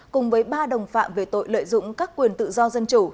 cùng với ba đồng phạm về tội lợi dụng các quyền tự do dân chủ